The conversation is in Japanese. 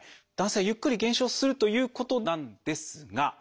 男性はゆっくり減少するということなんですが。